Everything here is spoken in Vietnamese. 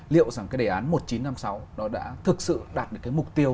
liệu rằng cái đề án một nghìn chín trăm năm mươi sáu nó đã thực sự đạt được cái mục tiêu